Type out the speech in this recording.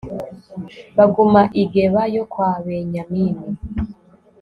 baguma i geba yo kwa benyamini